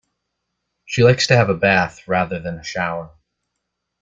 She likes to have a bath rather than a shower